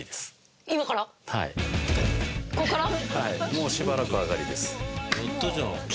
もうしばらく上がりです。